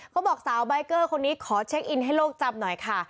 เขาบอกสาวใบเกอร์คนนี้ขอเช็คอินให้โลกจำหน่อยค่ะ